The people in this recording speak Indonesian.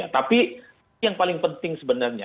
tapi yang paling penting sebenarnya